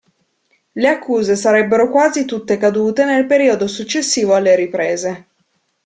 Le accuse sarebbero quasi tutte cadute nel periodo successivo alle riprese.